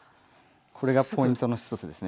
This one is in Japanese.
これがポイントの１つですね。